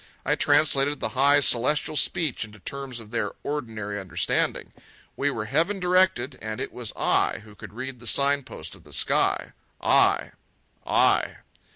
I translated the high celestial speech into terms of their ordinary understanding. We were heaven directed, and it was I who could read the sign post of the sky!—I! I!